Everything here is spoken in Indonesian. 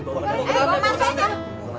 ini nyusahin amat lu ah